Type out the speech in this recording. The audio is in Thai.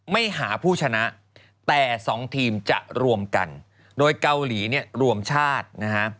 ไม่หาผู้ชนะแต่สองทีมจะรวมกันโดยเกาหลีเนี่ยรวมชาตินะฮะ